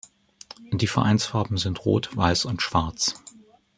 Die Vereinsfarben sind rot, weiß und schwarz.